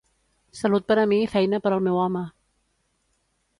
Salut per a mi i feina per al meu home!